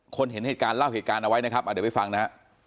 เห็นเหตุการณ์เล่าเหตุการณ์เอาไว้นะครับเดี๋ยวไปฟังนะฮะ